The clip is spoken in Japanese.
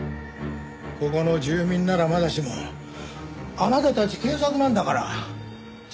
ここの住民ならまだしもあなたたち警察なんだからしっかりしなさいよ。